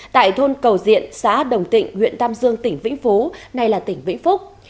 tại thôn cầu diện xã đồng tịnh huyện tam dương tỉnh vĩnh phúc nay là tỉnh vĩnh phúc